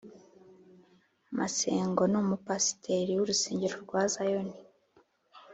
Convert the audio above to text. masengo numu pasiteri wurusengero rwa zion